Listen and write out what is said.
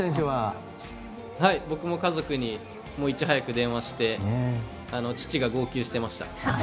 僕も家族にいち早く電話して父が号泣してました。